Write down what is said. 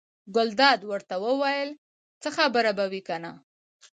ګلداد ورته وویل: څه خبره به وي کنه.